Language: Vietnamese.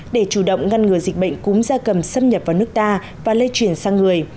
để chủ động ngăn ngừa dịch bệnh cúm da cầm xâm nhập vào nước ta và lây chuyển sang người